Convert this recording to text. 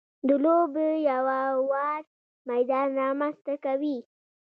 د لوبې یو ه وار میدان رامنځته کوي.